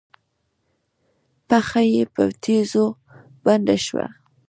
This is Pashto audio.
پښه یې په تيږو بنده شوه.